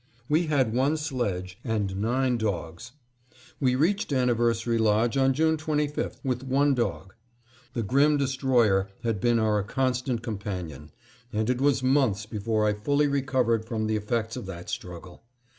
We had one sledge and nine dogs. We reached Anniversary Lodge on June 25, with one dog. The Grim Destroyer had been our constant companion, and it was months before I fully recovered from the effects of that struggle.